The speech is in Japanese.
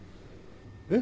えっ？